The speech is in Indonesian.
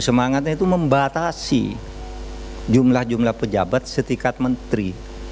semangatnya itu membatasi jumlah jumlah pejabat setingkat menteri